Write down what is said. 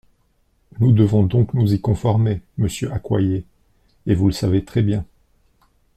Nous devons donc nous y conformer, monsieur Accoyer, et vous le savez très bien.